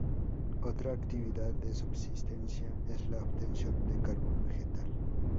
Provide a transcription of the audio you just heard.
Otra actividad de subsistencia es la obtención de carbón vegetal.